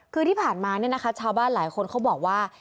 คือที่ผ่านมาชาวบ้านหลายคนเขาบอกว่า